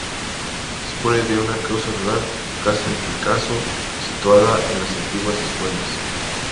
Dispone de una casa rural "Casa el Picazo", situada en las antiguas escuelas.